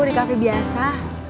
di cafe biasa